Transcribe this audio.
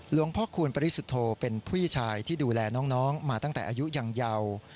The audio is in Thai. พ่อคูณปริสุทธโธเป็นผู้ชายที่ดูแลน้องมาตั้งแต่อายุยังเยาว์